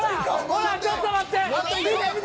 ほらちょっと待って。